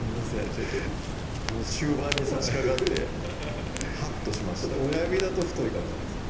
ちょっともう終盤にさしかかってハッとしました親指だと太いかもしれないです